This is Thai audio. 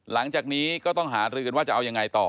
หลังจากนี้ก็ต้องหารือกันว่าจะเอายังไงต่อ